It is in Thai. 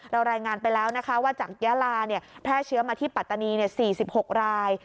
รายงานไปแล้วนะคะว่าจากยาลาแพร่เชื้อมาที่ปัตตานี๔๖ราย